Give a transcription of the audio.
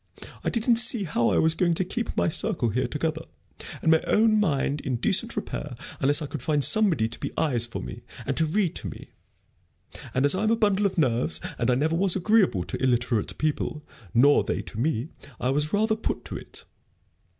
I didn't see how I was going to keep my circle here together, and my own mind in decent repair, unless I could find somebody to be eyes for me, and to read to me. And as I'm a bundle of nerves, and I never was agreeable to illiterate people, nor they to me, I was rather put to it.